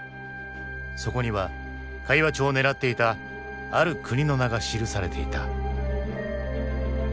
そこには会話帳を狙っていたある国の名が記されていた。